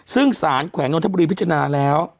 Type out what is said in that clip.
ซึ่งสารแขวงนทบุรีพิจารณาแล้ว